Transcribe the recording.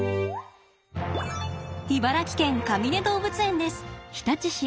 茨城県かみね動物園です。